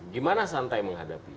gimana santai menghadapi